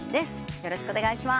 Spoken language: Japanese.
よろしくお願いします。